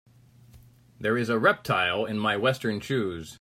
There is a reptile in my western shoes.